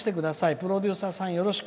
プロデューサーさん、よろしく」。